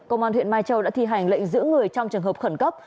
công an huyện mai châu đã thi hành lệnh giữ người trong trường hợp khẩn cấp